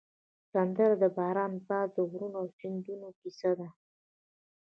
سندره د باران، باد، غرونو او سیندونو کیسه ده